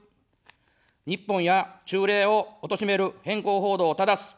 日本や忠霊をおとしめる偏向報道をただす。